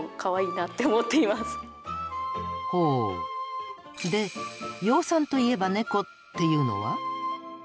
で「養蚕といえばネコ」っていうのは？